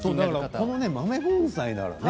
この豆盆栽ならね